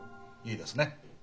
いいですね？